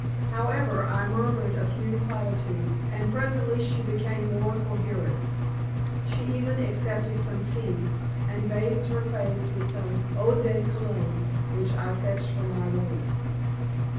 However, I murmured a few platitudes, and presently she became more coherent. She even accepted some tea, and bathed her face with some eau de Cologne, which I fetched from my room.